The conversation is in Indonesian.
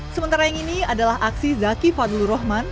sementara yang ini adalah aksi zaki fadlu rohman